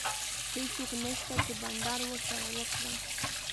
هیڅوک نشته چي بانډار ورسره وکړم.